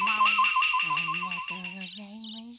ありがとうございます。